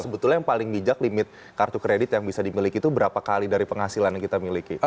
sebetulnya yang paling bijak limit kartu kredit yang bisa dimiliki itu berapa kali dari penghasilan yang kita miliki